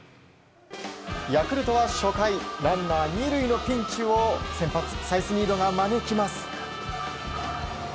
ヤクルトは初回ランナー２塁のピンチを先発、サイスニードが招きます。